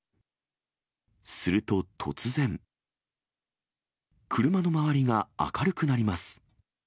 すると突然、車の周りが明るくなります。